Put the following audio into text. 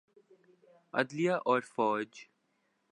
عدلیہ اورفوج۔